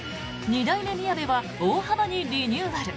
二代目みやべは大幅にリニューアル。